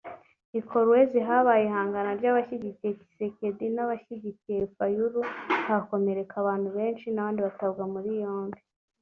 I Kolwezi habaye ihangana ry’abashyigikiye Tshisekedi n’abashyigikiye Fayulu hakomereka abantu benshi abandi batabwa muri yombi